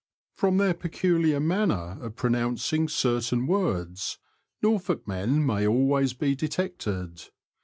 From their pecuHar manner of pronouncing certain words, Norfolk men may always be detected.